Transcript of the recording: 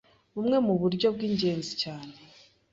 Bumwe mu buryo bw’ingenzi cyane